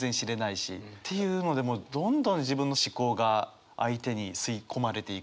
っていうのでもうどんどん自分の思考が相手に吸い込まれていく。